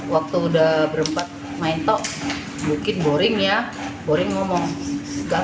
waktu udah berempat main tok bukit boring ya boring ngomong